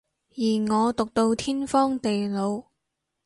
而我毒到天荒地老